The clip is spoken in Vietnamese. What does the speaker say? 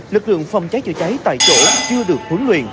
lực lượng phòng cháy chữa cháy tại chỗ chưa được huấn luyện